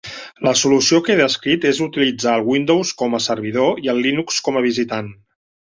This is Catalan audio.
La solució que he descrit és utilitzar el Windows com a servidor i el Linux com a visitant.